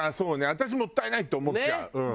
私もったいないって思っちゃう。